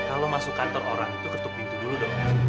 kalau masuk kantor orang itu ketuk pintu dulu dong